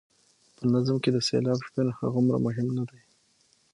په نظم کې د سېلاب شمېر هغومره مهم نه دی.